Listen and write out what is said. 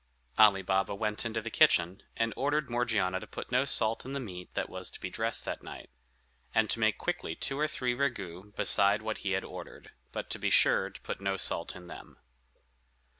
Ali Baba went into the kitchen, and ordered Morgiana to put no salt in the meat that was to be dressed that night; and to make quickly two or three ragouts besides what he had ordered, but be sure to put no salt in them.